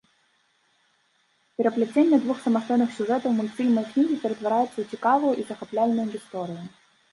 Перапляценне двух самастойных сюжэтаў мультфільма і кнігі ператвараецца ў цікавую і захапляльную гісторыю.